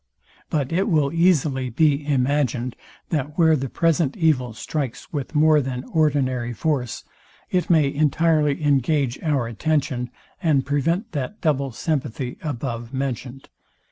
But it will easily be imagined, that where the present evil strikes with more than ordinary force, it may entirely engage our attention, and prevent that double sympathy, above mentioned.